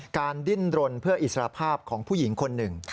ดิ้นรนเพื่ออิสรภาพของผู้หญิงคนหนึ่ง